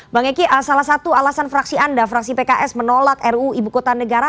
bang eki salah satu alasan fraksi anda fraksi pks menolak ruu ibu kota negara